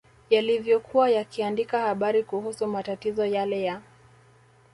yalivyokuwa yakiandika habari kuhusu matatizo yale ya